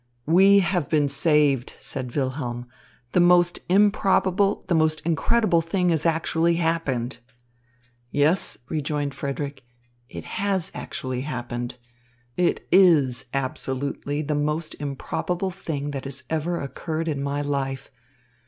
"We have been saved," said Wilhelm. "The most improbable, the most incredible thing has actually happened." "Yes," rejoined Frederick. "It has actually happened. It is absolutely the most improbable thing that has ever occurred in my life.